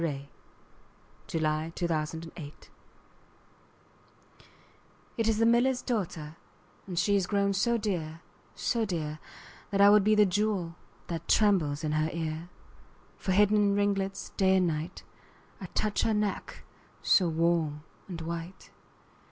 The Miller's Daughter IT is the miller's daughter, And she is grown so dear, so dear, That I would be the jewel That trembles in her ear: For hid in ringlets day and night, 5 I'd touch her neck so warm and white.